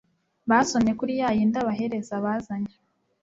Basomye kuri ya yindi abahereza bazanye,